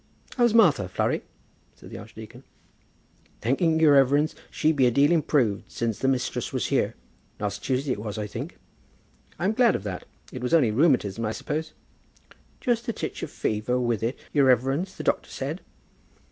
"How's Martha, Flurry?" said the archdeacon. "Thanking your reverence, she be a deal improved since the mistress was here, last Tuesday it was, I think." "I'm glad of that. It was only rheumatism, I suppose?" "Just a tich of fever with it, your reverence, the doctor said."